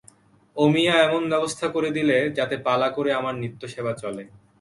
অমিয়া এমন ব্যবস্থা করে দিলে, যাতে পালা করে আমার নিত্যসেবা চলে।